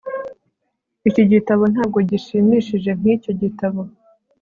Iki gitabo ntabwo gishimishije nkicyo gitabo